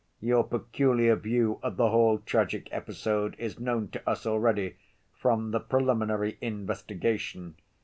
Your peculiar view of the whole tragic episode is known to us already from the preliminary investigation.